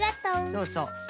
そうそう。